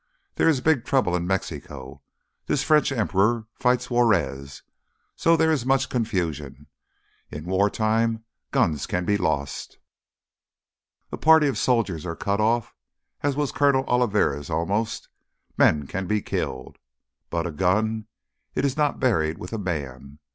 There is big trouble in Mexico—this French emperor fights Juarez, so there is much confusion. In wartime guns can be lost. A party of soldiers are cut off, as was Coronel Oliveri almost—men can be killed. But a gun—it is not buried with a man.